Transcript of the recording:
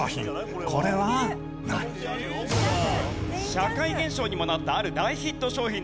社会現象にもなったある大ヒット商品です。